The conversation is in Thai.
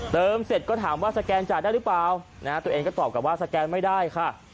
เสร็จก็ถามว่าสแกนจ่ายได้หรือเปล่านะฮะตัวเองก็ตอบกลับว่าสแกนไม่ได้ค่ะ